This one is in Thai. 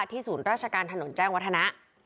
ศูนย์ราชการถนนแจ้งวัฒนะ